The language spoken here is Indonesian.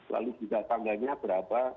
lalu juga tangganya berapa